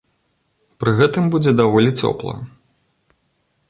Пры гэтым будзе даволі цёпла.